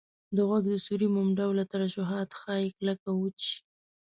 د غوږ د سوري موم ډوله ترشحات ښایي کلک او وچ شي.